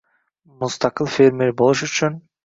mustaqil fermer bo‘lish uchun